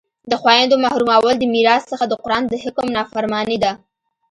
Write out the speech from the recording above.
د خویندو محرومول د میراث څخه د قرآن د حکم نافرماني ده